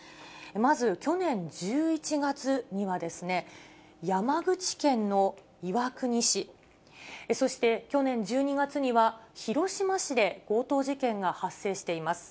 まず、去年１１月にはですね、山口県の岩国市、そして去年１２月には、広島市で強盗事件が発生しています。